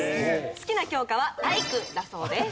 好きな教科は体育だそうです。